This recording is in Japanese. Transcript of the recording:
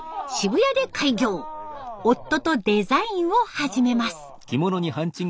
夫とデザインを始めます。